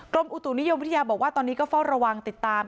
อุตุนิยมวิทยาบอกว่าตอนนี้ก็เฝ้าระวังติดตาม